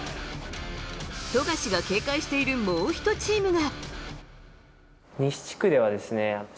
富樫が警戒しているもう１チームが。